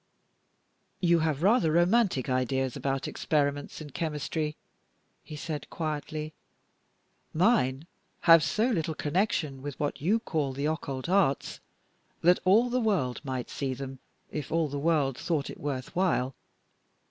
"You have rather romantic ideas about experiments in chemistry," he said, quietly. "Mine have so little connection with what you call the occult arts that all the world might see them, if all the world thought it worth while.